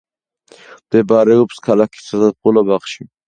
მდებარეობს ქალაქის საზაფხულო ბაღში.